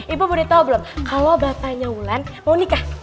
ibo boleh tau belum kalau bapaknya mulan mau nikah